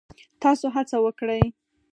تاسو هڅه وکړئ